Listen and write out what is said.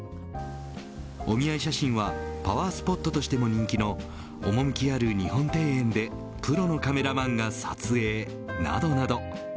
お見合い写真はパワースポットとしても人気の趣ある日本庭園でプロのカメラマンが撮影などなど。